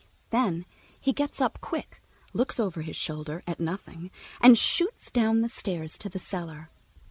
Then he gets up, quick, looks over his shoulder at nothing, and shoots down the stairs to the cellar.